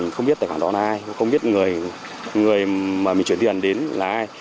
không biết tài khoản đó là ai không biết người mà mình chuyển tiền đến là ai